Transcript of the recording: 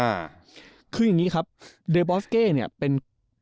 อ่าคืออย่างงี้ครับเดบอสเก้เนี่ยเป็น